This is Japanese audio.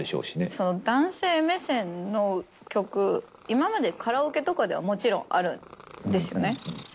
その男性目線の曲今までカラオケとかではもちろんあるんですよね。